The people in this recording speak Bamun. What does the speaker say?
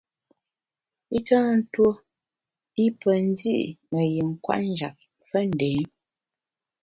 I tâ tuo i pe ndi’ me yin kwet njap fe ndé.